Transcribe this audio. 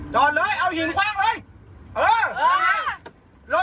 จอดเลยเอาหินกว้างเลยเออเออ